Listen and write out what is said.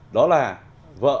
đó là vợ